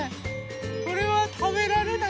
これはたべられない？